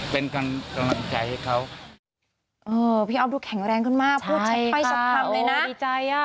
เป็นกำลังใจให้เขาเออพี่อ๊อฟดูแข็งแรงขึ้นมากพูดชัดไปสักคำเลยนะดีใจอ่ะ